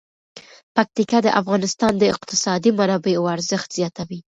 پکتیکا د افغانستان د اقتصادي منابعو ارزښت زیاتوي.